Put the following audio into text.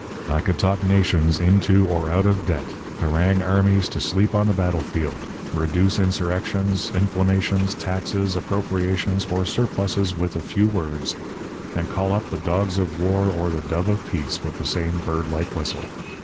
I could talk nations into or out of debt, harangue armies to sleep on the battlefield, reduce insurrections, inflammations, taxes, appropriations or surpluses with a few words, and call up the dogs of war or the dove of peace with the same bird like whistle.